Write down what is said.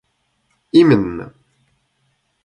именно